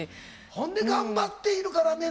ほんで「がんばっているからね」